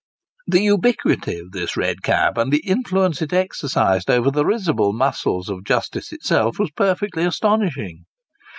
The ubiquity of this red cab, and the influence it exercised over the risible muscles of justice itself, was perfectly astonishing.